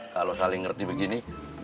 kalau saling ngerti begini